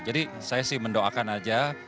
jadi saya sih mendoakan aja